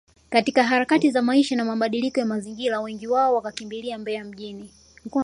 katika harakati za maisha na mabadiliko ya mazingira wengi wao wakakimbilia Mbeya mjini